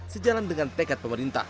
sejalan dengan tekat pemerintah